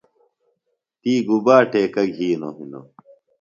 تی گُبا ٹیکہ گِھینوۡ ہِنوۡ؟